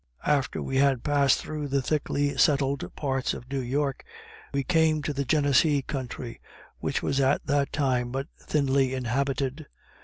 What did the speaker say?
After we had passed through the thickly settled parts of New York, we came to the Gennessee country, which was at that time but thinly inhabited.